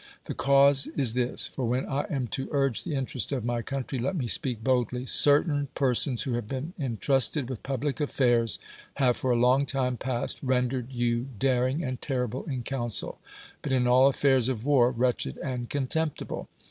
The cause is this (for when I am to urge the interest of my country, let me speak boldly) : certain persons who have been intrusted with pui)lie alTairs have for a long time past rendered you daring and terrible in council, but in all atTairs of war wretched and contemptible.